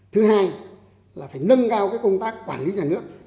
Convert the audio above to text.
thứ hai là phải nâng cao công tác quản lý nhà nước